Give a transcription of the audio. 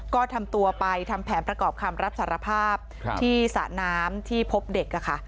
ก็ทำตัวไปทำแผนประกอบคำรับสารภาพที่สระน้ำที่พบเด็ก